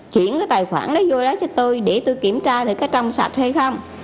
chuyển cái tài khoản đó vô đó cho tôi để tôi kiểm tra thì có trong sạch hay không